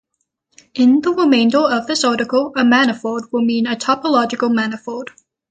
In the remainder of this article a "manifold" will mean a topological manifold.